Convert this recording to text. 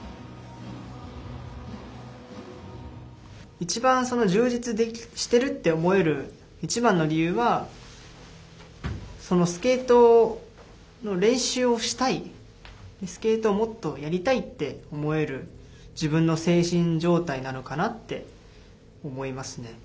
一番、充実してるって思える、一番の理由はスケートの練習をしたいスケートをもっとやりたいって思える自分の精神状態なのかなって思いますね。